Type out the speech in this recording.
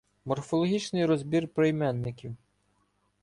Морфологічний розбір прийменників